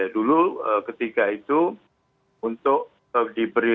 dulu ketika itu untuk diberi